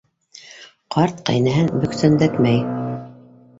Ҡарт ҡәйнәһен бөксәндәтмәй.